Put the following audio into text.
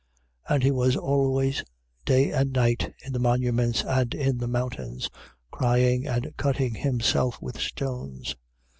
5:5. And he was always day and night in the monuments and in the mountains, crying and cutting himself with stones.